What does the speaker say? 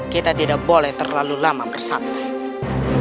kita tidak boleh terlalu lama menunggu kita beristirahat